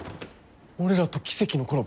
俺らと奇跡のコラボ？